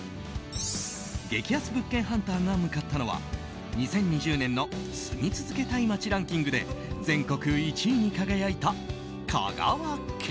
激安物件ハンターが向かったのは２０２０年の住み続けたい街ランキングで全国１位に輝いた香川県。